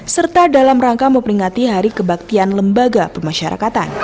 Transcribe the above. serta dalam rangka memperingati hari kebaktian lembaga pemasyarakatan